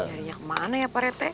nyarinya kemana ya pak rete